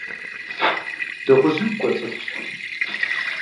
Дыгъужьыгу кӀуэцӀылъщ.